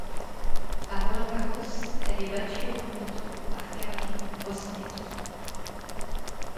A Roland-Garros, elle est battue au premier tour par Caroline Wozniacki.